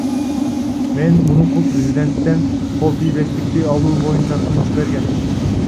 Мен мурунку президенттен кол тийбестикти алуу боюнча сунуш бергем.